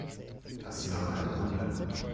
Das sind doch keine Hunde.